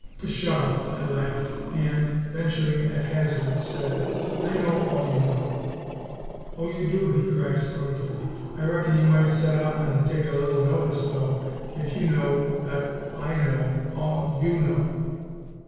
"Pshaw," I laughed, and, venturing at hazard, said, "I know all YOU know!" "Oh, you do!" he cried scornfully. "I reckon you might set up an' take a little notice, though, if you knowed 'at I know all YOU know!"